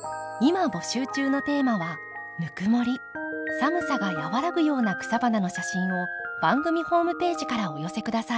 寒さが和らぐような草花の写真を番組ホームページからお寄せ下さい。